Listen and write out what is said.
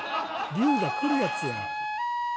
龍が来るやつやん。